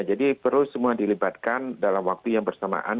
jadi perlu semua dilibatkan dalam waktu yang bersamaan